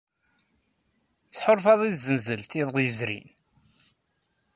Tḥulfaḍ i tzenzelt iḍ yezrin.